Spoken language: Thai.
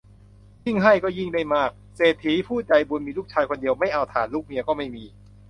ยิ่งให้ก็ยิ่งได้มาก เศรษฐีผู้ใจบุญมีลูกชายคนเดียว ไม่เอาถ่าน ลูกเมียก็ไม่มี